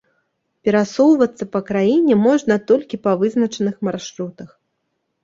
Перасоўвацца па краіне можна толькі па вызначаных маршрутах.